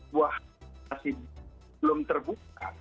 bahwa masih belum terbuka